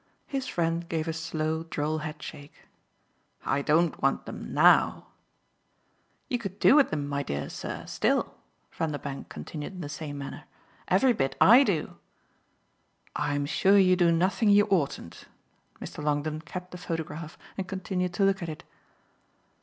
His friend gave a slow droll headshake. "I don't want them 'now'!" "You could do with them, my dear sir, still," Vanderbank continued in the same manner, "every bit I do!" "I'm sure you do nothing you oughtn't." Mr. Longdon kept the photograph and continued to look at it.